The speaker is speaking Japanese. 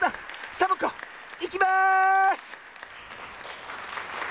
サボ子いきます！